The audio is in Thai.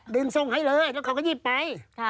ดึงส่งให้เลยแล้วเขาก็หยิบไป